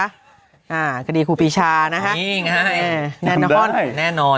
อ่ากดีครูปีชานะคะนี่ไงนำได้แน่นอน